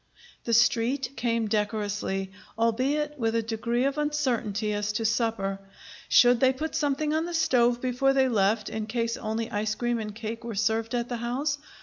The Street came decorously, albeit with a degree of uncertainty as to supper. Should they put something on the stove before they left, in case only ice cream and cake were served at the house?